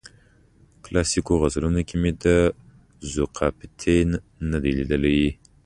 کلاسیکو غزلونو کې مې ذوقافیتین نه دی لیدلی.